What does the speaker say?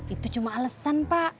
itu cuma alesan pak